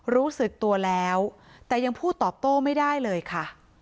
รู้สึกตัวแล้วแต่ยังพูดตอบโต้ไม่ได้เลยค่ะ